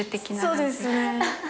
そうですね。